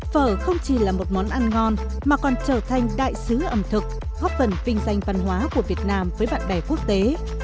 phở không chỉ là một món ăn ngon mà còn trở thành đại sứ ẩm thực góp phần vinh danh văn hóa của việt nam với bạn bè quốc tế